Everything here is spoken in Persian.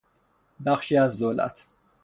بخشی از دولت